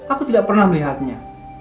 aku tidak pernah melihatnya